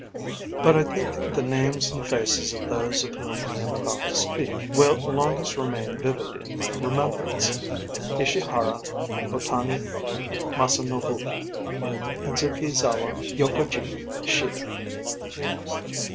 But I think the names and faces of those of whom I am about to speak will longest remain vivid in my remembrance Ishihara, Otani Masanobu, Adzukizawa, Yokogi, Shida.